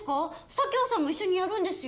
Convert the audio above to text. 佐京さんも一緒にやるんですよ